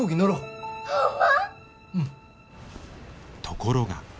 ところが。